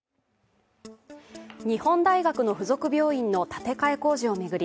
日本大学の付属病院の建て替え工事を巡り